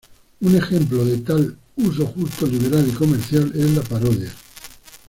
Un ejemplo de tal "uso justo" liberal y comercial es la parodia.